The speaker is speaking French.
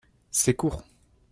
C’est court